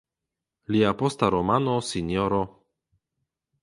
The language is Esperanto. Lia posta romano "Sro.